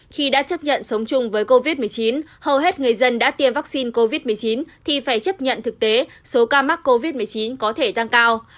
khi đã chấp nhận sống chung với covid một mươi chín hầu hết người dân đã tiêm vaccine covid một mươi chín thì phải chấp nhận thực tế số ca mắc covid một mươi chín có thể tăng cao